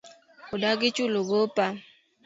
Odagi chulo gopa